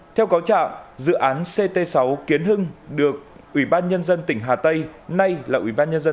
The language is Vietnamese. theo cáo trạng dự án ct sáu kiến hưng được ủy ban nhân dân tỉnh hà tây nay là ủy ban nhân dân